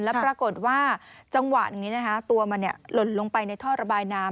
แล้วปรากฏว่าจังหวะนี้นะคะตัวมันหล่นลงไปในท่อระบายน้ำ